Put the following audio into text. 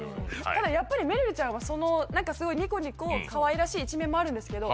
ただやっぱりめるるちゃんはその何かすごいニコニコかわいらしい一面もあるんですけど